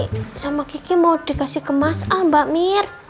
tapi soalnya nanti sama kiki mau dikasih ke mas al mbak mir